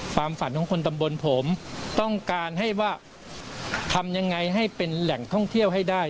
ความฝันของคนตำบลผมต้องการให้ว่าทำยังไงให้เป็นแหล่งท่องเที่ยวให้ได้